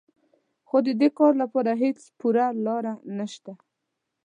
خو د دې کار لپاره هېڅ پوره لاره نهشته